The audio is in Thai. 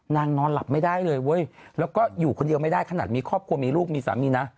นอนหลับไม่ได้เลยเว้ยแล้วก็อยู่คนเดียวไม่ได้ขนาดมีครอบครัวมีลูกมีสามีนะ